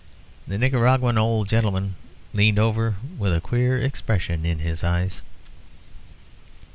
The Nicaraguan old gentleman leaned over with a queer expression in his eyes.